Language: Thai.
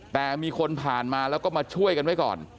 แต่มีคนผ่านมาแล้วก็มาช่วยกันไว้ก่อน